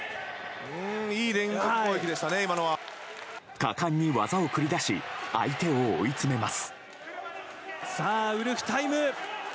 果敢に技を繰り出し相手を追い詰めます。